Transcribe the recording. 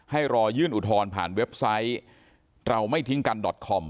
รอยื่นอุทธรณ์ผ่านเว็บไซต์เราไม่ทิ้งกันดอตคอม